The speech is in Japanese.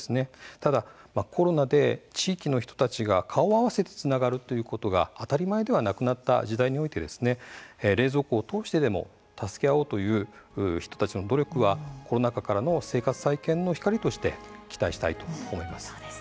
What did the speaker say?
ただコロナで地域の人が顔を合わせてつながることが当たり前ではなくなった中で冷蔵庫を通してでも助け合おうとする人たちの努力はコロナ禍からの暮らしの再生の光として期待したいと思います。